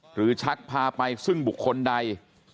ชักพาไปซึ่งบุคคลใด